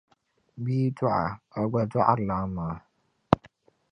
Bi yi dɔɣa,a gba dɔɣirila amaŋa.